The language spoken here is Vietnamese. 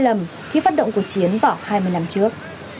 nhiều người mỹ đã mắc sai lầm khi phát động cuộc chiến vào hai mươi năm trước